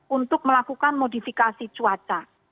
untuk melakukan modifikasi cuaca